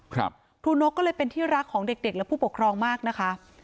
ครูนกก็เลยเป็นที่รักของเด็กเด็กและผู้ปกครองมากนะคะ